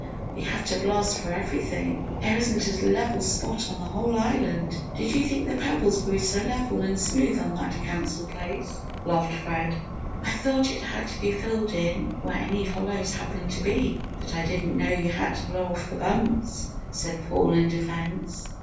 We have to blast for everything! There isn't a level spot on the whole island. Did you think the pebbles grew so level and smooth on that Council Place?" laughed Fred. "I thought it had to be filled in where any hollows happened to be but I didn't know you had to blow off the bumps!" said Paul, in defence.